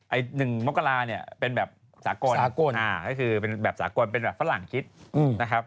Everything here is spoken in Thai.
ไอ้หนึ่งมะกะลาเป็นแบบสากลเป็นแบบสากลเป็นแบบฝรั่งคิดนะครับ